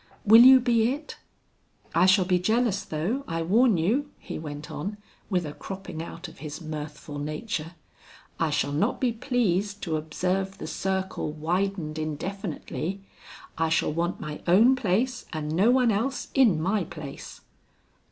Will you be it? I shall be jealous though, I warn you," he went on, with a cropping out of his mirthful nature; "I shall not be pleased to observe the circle widened indefinitely. I shall want my own place and no one else in my place."